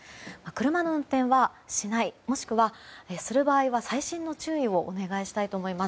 車の運転はしないもしくは、する場合は細心の注意をお願いしたいと思います。